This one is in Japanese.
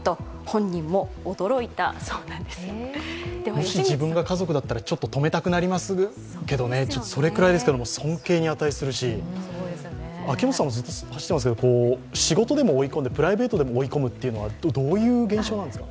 もし自分が家族だったら止めたくなりますけど、それくらいですけれども尊敬に値するし、秋元さんもずっと走っていますけど、仕事でも追い込んで、プライベートでも追い込むというのはどういう現象なんですか？